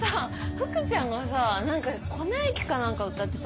福ちゃんがさ何か『粉雪』か何か歌ってさ